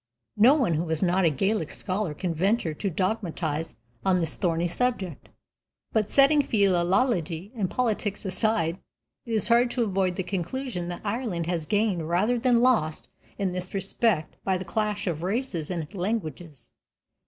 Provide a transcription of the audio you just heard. No one who is not a Gaelic scholar can venture to dogmatize on this thorny subject. But, setting philology and politics aside, it is hard to avoid the conclusion that Ireland has gained rather than lost in this respect by the clash of races and languages.